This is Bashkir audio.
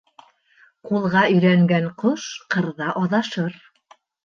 Ҡулға өйрәнгән ҡош ҡырҙа аҙашыр.